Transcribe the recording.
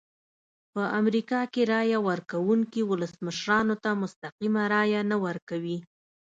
په امریکا کې رایه ورکوونکي ولسمشرانو ته مستقیمه رایه نه ورکوي.